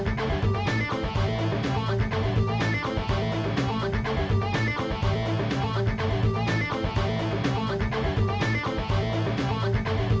kita sekitar ini udah sudah dukung unehinkles kita bungkus semuanya dah lama mail perlarian